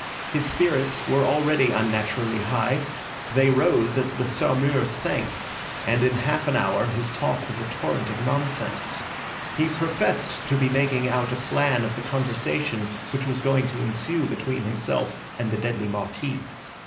His spirits were already unnaturally high; they rose as the Saumur sank, and in half an hour his talk was a torrent of nonsense. He professed to be making out a plan of the conversation which was going to ensue between himself and the deadly Marquis.